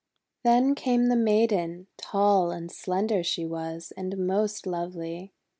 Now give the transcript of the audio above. Then came the Maiden; tall and slender she was, and most lovely.